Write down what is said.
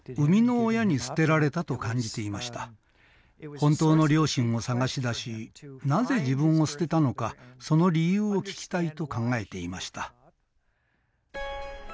本当の両親を捜し出しなぜ自分を捨てたのかその理由を聞きたいと考えていました。